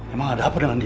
emang ada apa dengan dia